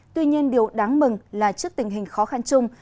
tuy nhiên điều đáng mừng là trước tình hình khó khăn chung